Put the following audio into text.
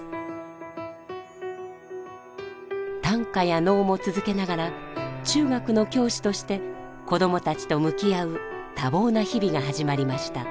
短歌や能も続けながら中学の教師として子どもたちと向き合う多忙な日々が始まりました。